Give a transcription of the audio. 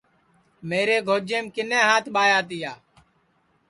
میرے گوجیم کِنے ہات ٻایا تیا